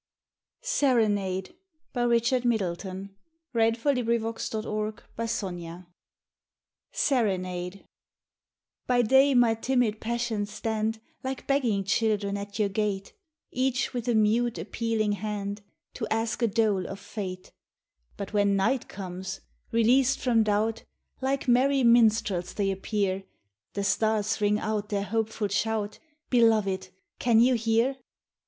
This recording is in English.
o cherish, Though all our songs are sung And all the singers perish. SERENADE BY day my timid passions stand Like begging children at your gate, Each with a mute, appealing hand To ask a dole of Fate ; But when night comes, released from doubt, Like merry minstrels they appear, The stars ring out their hopeful shout, Beloved, can you hear